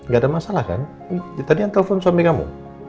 gak ada masalah kan tadi yang telpon suami kamu